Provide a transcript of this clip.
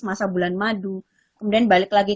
masa bulan madu kemudian balik lagi